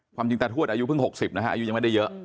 ความจริงตาทวดอายุเพิ่ง๖๐นะฮะอายุยังไม่ได้เยอะ